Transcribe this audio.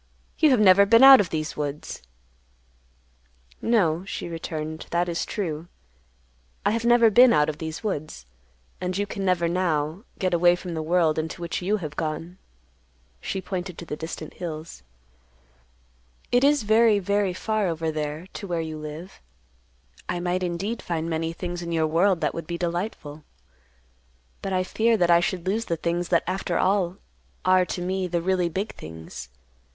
You have never been out of these woods." "No," she returned, "that is true; I have never been out of these woods, and you can never, now, get away from the world into which you have gone." She pointed to the distant hills. "It is very, very far over there to where you live. I might, indeed, find many things in your world that would be delightful; but I fear that I should lose the things that after all are, to me, the really big things.